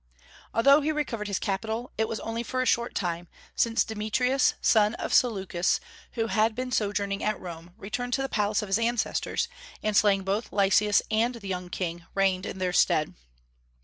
Although he recovered his capital, it was only for a short time, since Demetrius, son of Seleucus, who had been sojourning at Rome, returned to the palace of his ancestors, and slaying both Lysias and the young king, reigned in their stead.